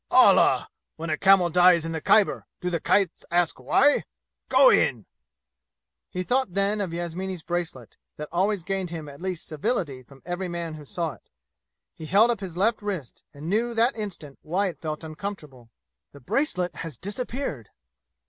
"Allah! When a camel dies in the Khyber do the kites ask why? Go in!" He thought then of Yasmini's bracelet, that always gained him at least civility from every man who saw it. He held up his left wrist and knew that instant why it felt uncomfortable. The bracelet has disappeared!